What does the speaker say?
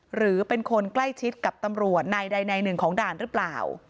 หรือเป็นคนใกล้ชิดกับตำรวจนายใดในหนึ่งของด่านหรือเปล่า